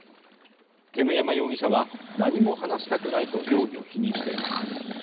煙山容疑者は何も話したくないと容疑を否認しています。